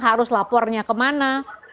harus lapornya kemana